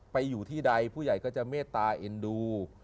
อยู่ที่ใดผู้ใหญ่ก็จะเมตตาเอ็นดู